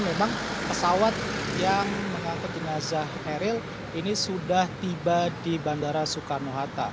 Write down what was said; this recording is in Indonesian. memang pesawat yang mengangkut jenazah eril ini sudah tiba di bandara soekarno hatta